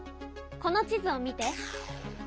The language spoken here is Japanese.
この地図を見て。